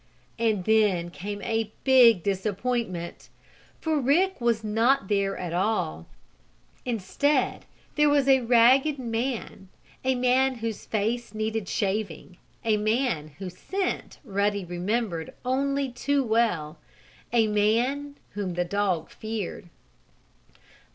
And then came a big disappointment. For Rick was not there at all. Instead there was a ragged man, a man whose face needed shaving, a man whose scent Ruddy remembered only too well a man whom the dog feared.